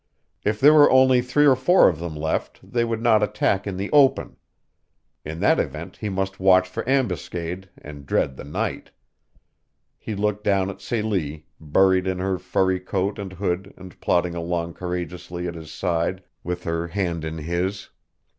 If there were only three or four of them left they would not attack in the open. In that event he must watch for ambuscade, and dread the night. He looked down at Celie, buried in her furry coat and hood and plodding along courageously at his side with her hand in his.